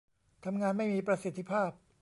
ทำงานไม่มีประสิทธิภาพ